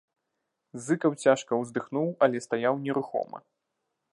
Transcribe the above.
Зыкаў цяжка ўздыхнуў, але стаяў нерухома.